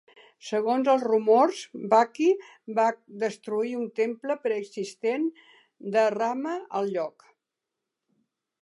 Segons els rumors, Baqi va destruir un temple preexistent de Rama al lloc.